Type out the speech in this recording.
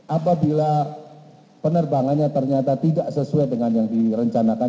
apabila penerbangannya ternyata tidak sesuai dengan yang direncanakan